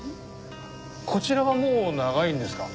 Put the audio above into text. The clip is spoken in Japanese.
こちらはもう長いんですか？